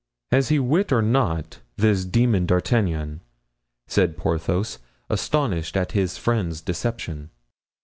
"Has he wit or not—this demon D'Artagnan?" said Porthos, astonished at his friend's deception.